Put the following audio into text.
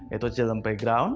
yaitu celem playground